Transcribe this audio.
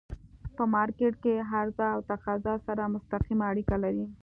په مارکيټ کی عرضه او تقاضا سره مستقیمه اړیکه لري.